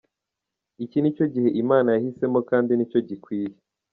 Iki nicyo gihe Imana yahisemo kandi nicyo gikwiye.